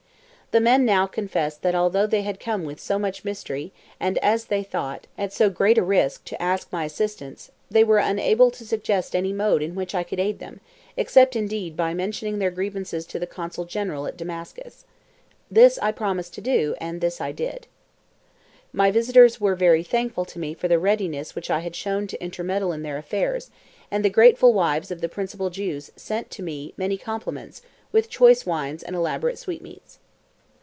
The men now confessed that although they had come with so much mystery and, as they thought, at so great a risk to ask my assistance, they were unable to suggest any mode in which I could aid them, except indeed by mentioning their grievances to the consul general at Damascus. This I promised to do, and this I did. My visitors were very thankful to me for the readiness which I had shown to intermeddle in their affairs, and the grateful wives of the principal Jews sent to me many compliments, with choice wines and elaborate sweetmeats.